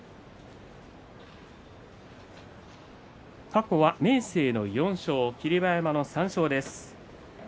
過去は明生の４勝霧馬山の３勝です。